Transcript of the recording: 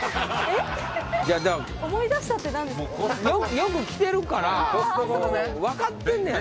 よく来てるから分かってんねやろ。